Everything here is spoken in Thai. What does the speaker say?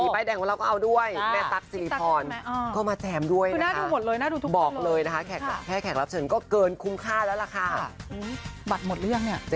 ปัดหมดเรื่องเนี่ยเจ